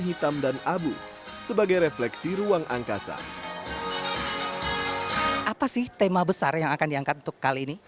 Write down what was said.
hitam dan abu sebagai refleksi ruang angkasa apa sih tema besar yang akan diangkat untuk kali ini